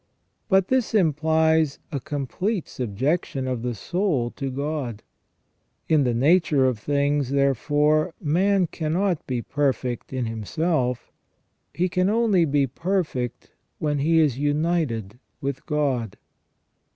But this implies a complete subjec tion of the soul to God. In the nature of things, therefore, man 26o WHY MAN WAS NOT CREATED PERFECT. cannot be perfect in himself, he can only be perfect when he is united with God.